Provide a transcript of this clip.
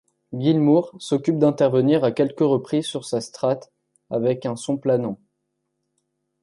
Gilmour s'occupe d'intervenir à quelques reprises sur sa Strat avec un son planant.